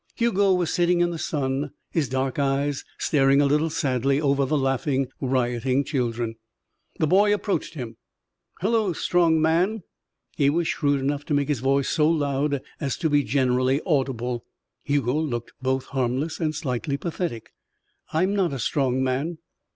Hugo was sitting in the sun, his dark eyes staring a little sadly over the laughing, rioting children. The boy approached him. "Hello, strong man." He was shrewd enough to make his voice so loud as to be generally audible. Hugo looked both harmless and slightly pathetic. "I'm not a strong man."